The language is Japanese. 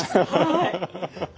はい。